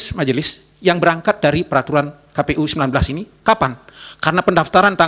jadi ada masalah yang terjadi di dalam proses majelis yang berangkat dari peraturan kpu sembilan belas ini